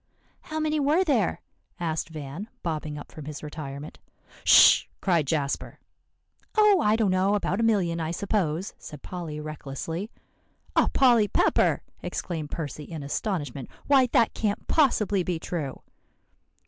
"How many were there?" asked Van, bobbing up from his retirement. "Sh!" cried Jasper. "Oh! I don't know; about a million, I suppose," said Polly recklessly. "O Polly Pepper!" exclaimed Percy in astonishment; "why, that can't possibly be true."